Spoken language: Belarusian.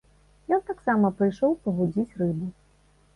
Ён таксама прыйшоў павудзіць рыбу.